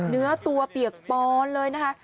เนื้อตัวเปียกปอนเลยนะคะ